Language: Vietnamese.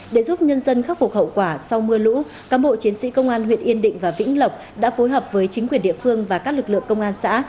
để giúp nhân dân khắc phục hậu quả sau mưa lũ cán bộ chiến sĩ công an huyện yên định và vĩnh lộc đã phối hợp với chính quyền địa phương và các lực lượng công an xã